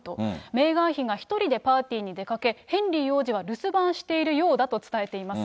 メーガン妃が１人でパーティーに出かけ、ヘンリー王子は留守番しているようだと伝えています。